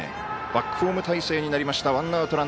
バックホーム態勢になりました。